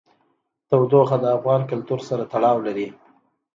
تودوخه د افغان کلتور سره تړاو لري.